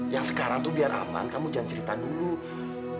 yang sekarang tuh biar aman kamu jangan cerita dulu